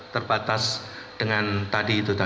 berbatas dengan tadi itu